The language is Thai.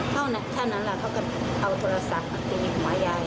เท่านั้นแหละเขาก็เอาโทรศัพท์ตีหัวยาย